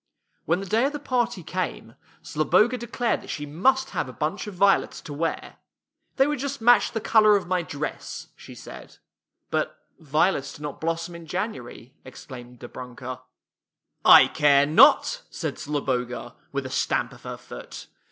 When the day of the party came, Zloboga [H] FAVORITE FAIRY TALES RETOLD declared that she must have a bunch of vio lets to wear. " They would just match the color of my dress/' she said. " But violets do not blossom in January! " exclaimed Dobrunka. " I care not! " said Zloboga, with a stamp of her foot.